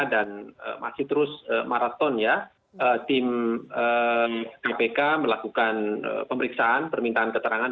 dan masih terus maraton ya tim bpk melakukan pemeriksaan permintaan keterangan